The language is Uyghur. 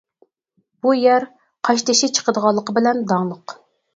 بۇ يەر قاشتېشى چىقىدىغانلىقى بىلەن داڭلىق.